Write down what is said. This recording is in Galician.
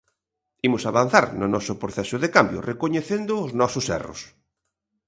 Imos avanzar no noso proceso de cambio recoñecendo os nosos erros.